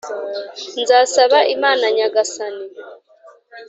nzasaba imana nyagasani